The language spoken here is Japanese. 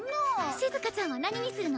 しずかちゃんは何にするの？